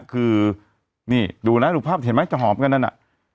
คือนี่ดูนะดูภาพเห็นไหมจะหอมกันนั่นน่ะ